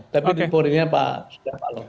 tapi temporinya pak surya paloh